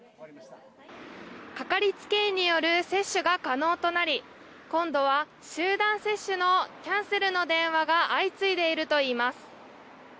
かかりつけ医による接種が可能となり、今度は集団接種のキャンセルの電話が相次いでいるといいます。